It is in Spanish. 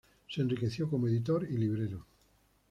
Se enriqueció como editor y librero.